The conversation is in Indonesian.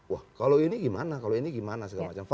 wah kalau ini gimana kalau ini gimana segala macam